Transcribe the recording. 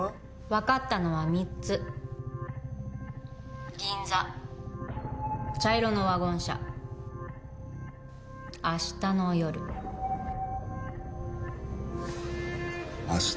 分かったのは３つ銀座茶色のワゴン車明日の夜明日！？